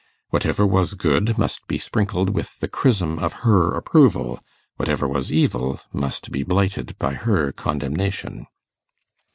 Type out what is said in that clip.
Whatever was good must be sprinkled with the chrism of her approval; whatever was evil must be blighted by her condemnation.